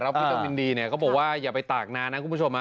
วิตามินดีเนี่ยเขาบอกว่าอย่าไปตากนานนะคุณผู้ชม